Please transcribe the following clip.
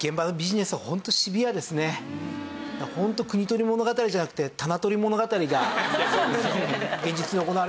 ホント「国盗り物語」じゃなくて「棚取り物語」が現実に行われているわけで。